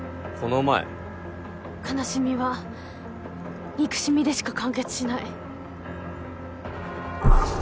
「悲しみは憎しみでしか完結しない」。